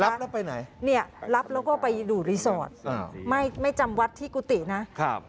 รับแล้วไปไหนเนี่ยรับแล้วก็ไปดูรีสอร์ทไม่ไม่จำวัดที่กุฏินะครับ